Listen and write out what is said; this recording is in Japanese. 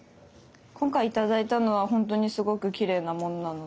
今回頂いたのは本当にすごくきれいなものなので。